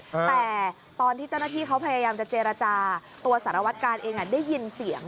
แต่ตอนที่เจ้าหน้าที่เขาพยายามจะเจรจาตัวสารวัตกาลเองได้ยินเสียง